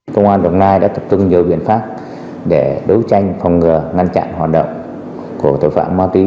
công an đồng nai đã tập trung nhiều biện pháp để đấu tranh phòng ngừa ngăn chặn hoạt động của tội phạm ma túy